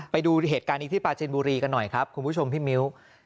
ไปดูเหตุการณ์นี้ที่ปาเจนบุรีกันหน่อยครับคุณผู้ชมพี่มิ้ว